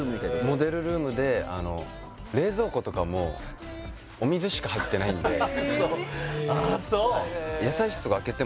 モデルルームであの冷蔵庫とかもお水しか入ってないんでそうああ